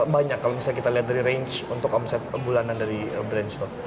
banyak kalau misalnya kita lihat dari range untuk omset bulanan dari brand stop